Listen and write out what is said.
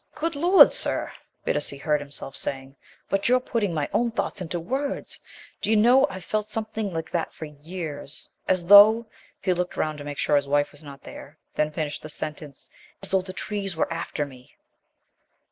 "Good Lord, Sir!" Bittacy heard himself saying, "but you're putting my own thoughts into words. D'you know, I've felt something like that for years. As though " he looked round to make sure his wife was not there, then finished the sentence "as though the trees were after me!"